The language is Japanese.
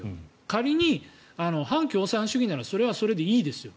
仮に反共産主義ならそれはそれでいいですよ。